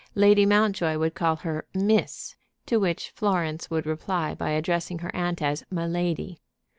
Lady Mountjoy would call her 'miss,' to which Florence would reply by addressing her aunt as 'my lady.'